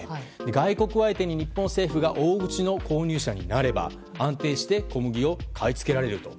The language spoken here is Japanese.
外国相手に日本政府が大口の購入者になれば安定して小麦を買い付けられるよと。